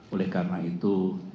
oleh karena itu